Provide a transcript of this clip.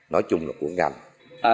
nói chung là của ngành